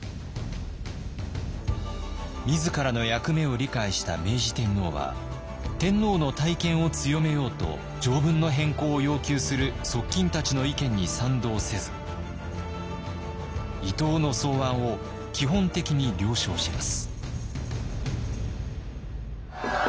自らの役目を理解した明治天皇は天皇の大権を強めようと条文の変更を要求する側近たちの意見に賛同せず伊藤の草案を基本的に了承します。